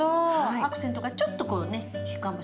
アクセントがちょっとこうねきくかもしれませんね。